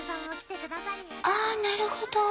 あなるほど！